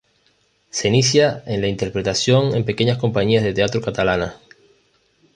Se inicia en la interpretación en pequeñas compañías de teatro catalanas.